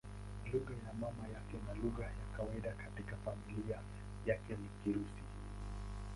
Lugha ya mama yake na lugha ya kawaida katika familia yake ni Kirusi.